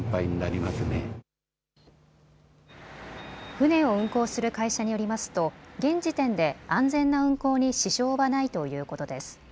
船を運航する会社によりますと現時点で安全な運航に支障はないということです。